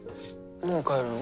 もう帰るの？